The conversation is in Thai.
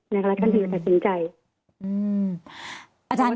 ในกล้าขั้นที่จะตัดสินใจ